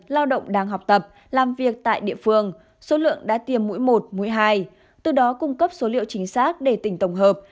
lao động đang học tập làm việc tại địa phương số lượng đã tiêm mũi một mũi hai từ đó cung cấp số liệu chính xác để tỉnh tổng hợp